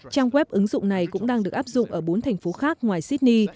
trang web ứng dụng này cũng đang được áp dụng ở bốn thành phố khác ngoài sydney